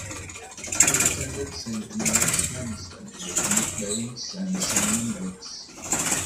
He attended Saint Mary's Menston with Nick Baines and Simon Rix.